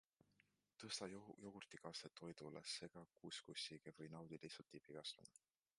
Tõsta jogurtikastet toidule, sega kuskussiga või naudi lihtsalt dipikastmena.